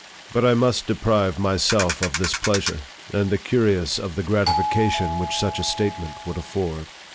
But I must deprive myself of this pleasure, and the curious of the gratification which such a statement would afford.